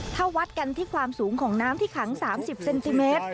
ถ้าวัดกันที่ความสูงของน้ำที่ขัง๓๐เซนติเมตร